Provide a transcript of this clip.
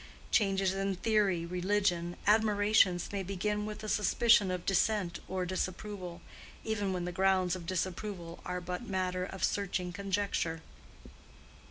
Changes in theory, religion, admirations, may begin with a suspicion of dissent or disapproval, even when the grounds of disapproval are but matter of searching conjecture.